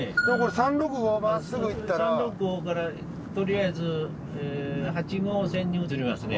３６５からとりあえず８号線に移りますね。